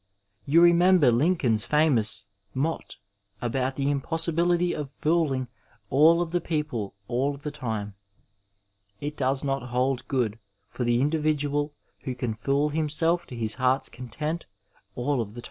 Tou remember Lincoln's famous mot about the impossibility of fooling all of the people all the time. It does not hold good for the individual who can fool himself to his heart's content all of the time.